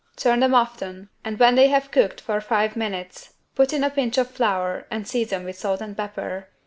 Turn them often and when they have cooked for five minutes put in a pinch of flour and season with salt and pepper.